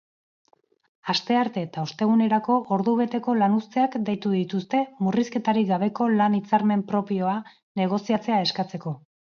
Astearte eta ostegunerako ordubeteko lanuzteak deitu dituzte murrizketarik gabeko lan-hitzarmen propioa negoziatzea eskatzeko.